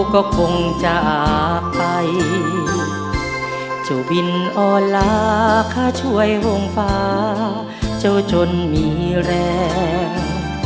ก็คงจากไปเจ้าวินออนไลน์ค่าช่วยห้องฟ้าเจ้าจนมีแรง